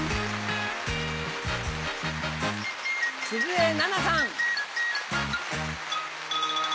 鈴江奈々さん。